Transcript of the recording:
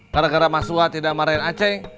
gara gara mas wa tidak marahin a dep